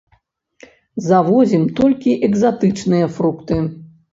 Завозім толькі экзатычныя фрукты.